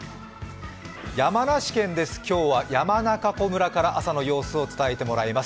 山梨県です、今日は山中湖村から朝の様子を伝えてもらいます。